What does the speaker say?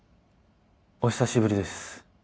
お久しぶりです。